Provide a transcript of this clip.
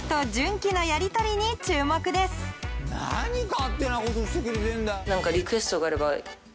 何勝手なことしてくれてんだよ。